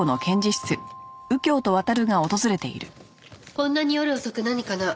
こんなに夜遅く何かな？